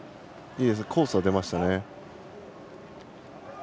コースは出ましたね。